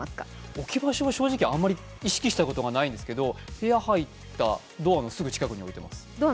置き場所は正直あんまり意識したことがないんですけど部屋入ったドアのすぐ近くに置いています。